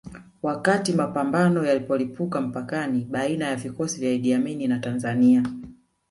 Wakati mapambano yalipolipuka mpakani baina ya vikosi vya Idi Amini na Tanzania